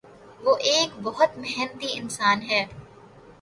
وہ ایک بہت محنتی انسان ہے۔